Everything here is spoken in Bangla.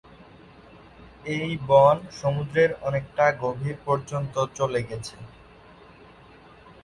এই বন সমুদ্রের অনেকটা গভীর পর্যন্ত চলে গেছে।